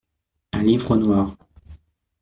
Un livre noir.